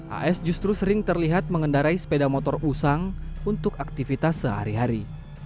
as justru sering terlihat mengendarai sepeda motor usang untuk aktivitas sehari hari